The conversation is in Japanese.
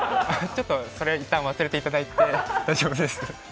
それは一旦忘れていただいて大丈夫です。